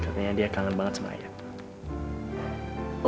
katanya dia kangen banget sama ayah